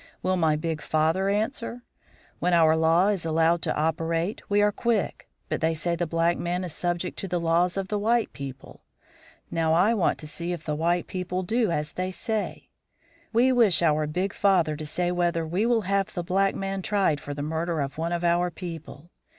Will my big father answer? When our law is allowed to operate, we are quick; but they say the black man is subject to the laws of the white people; now I want to see if the white people do as they say. We wish our big father to say whether he will have the black man tried for the murder of one of our people.